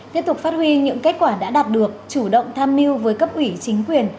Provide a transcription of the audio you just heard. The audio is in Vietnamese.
tiếp tục phát huy những kết quả đã đạt được chủ động tham mưu với cấp ủy chính quyền